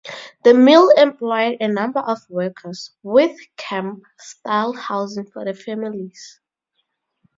The mill employed a number of workers, with "camp" style housing for the families.